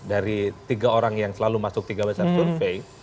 jadi tiga orang yang selalu masuk tiga besar survei